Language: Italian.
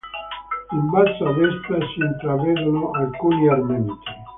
In basso a destra si intravedono alcuni armenti.